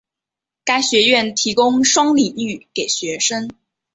该学院提供双领域给学生。